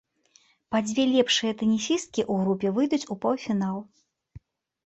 Па дзве лепшыя тэнісісткі ў групе выйдуць у паўфінал.